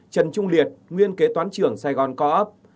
trần trung liệt nguyên kế toán trưởng saigon co op